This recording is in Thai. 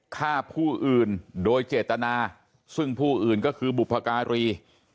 ฆ่าผู้อื่นโดยเจตนาซึ่งผู้อื่นก็คือบุพการี